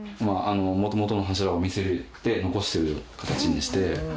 元々の柱を見せて残してる形にして。